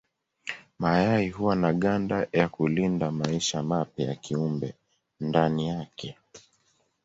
Mayai huwa na ganda ya kulinda maisha mapya ya kiumbe ndani yake.